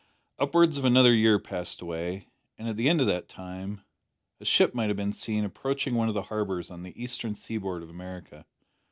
Upwards of another year passed away, and at the end of that time a ship might have been seen approaching one of the harbours on the eastern seaboard of America.